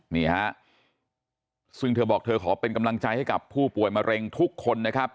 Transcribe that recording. นี่ฮะซึ่งเธอบอกเธอขอเป็นกำลังใจให้กับผู้ป่วยมะเร็งทุกคนนะครับ